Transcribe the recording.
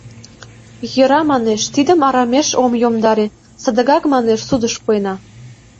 Йӧра, манеш, тидым арамеш ом йомдаре, садыгак, манеш, судыш пуэна.